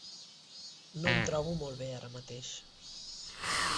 No em trobo molt bé ara mateix.